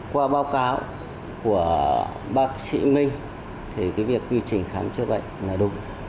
qua báo cáo của bác sĩ minh thì cái việc quy trình khám chữa bệnh là đúng